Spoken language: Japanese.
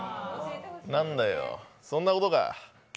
なんだよ、そんなことか。